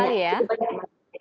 banyak sekali bantuan yang diberikan